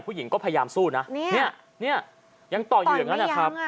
ผู้หญิงก็พยายามสู้นะเนี่ยยังต่ออยู่อย่างนั้นนะครับ